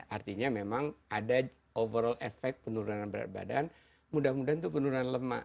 artinya memang ada overall efek penurunan berat badan mudah mudahan itu penurunan lemak